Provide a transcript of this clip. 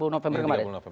tiga puluh november kemarin